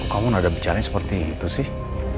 kamu nada bicaranya seperti itu sih